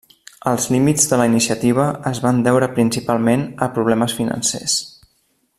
Els límits de la iniciativa es van deure principalment a problemes financers.